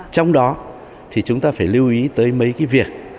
trong đó thì chúng ta phải lưu ý tới mấy cái việc